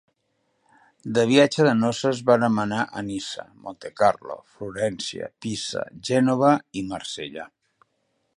De viatge de noces varen anar a Niça, Montecarlo, Florència, Pisa, Gènova i Marsella.